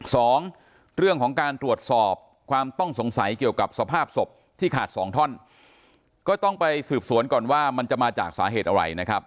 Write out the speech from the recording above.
สองเรื่องของการตรวจสอบความต้องสงสัยเกี่ยวกับสภาพศพที่ขาดสองท่อนก็ต้องไปสืบสวนก่อนว่ามันจะมาจากสาเหตุอะไรนะครับ